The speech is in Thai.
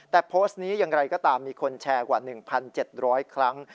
แต่โพสต์นี้อย่างไรก็ตามมีคนแชร์กว่า๑๗๐๐ครั้ง